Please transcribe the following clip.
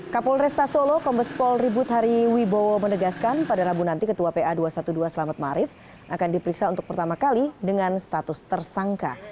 kapolresta solo kombespol ribut hari wibowo menegaskan pada rabu nanti ketua pa dua ratus dua belas selamat marif ⁇ akan diperiksa untuk pertama kali dengan status tersangka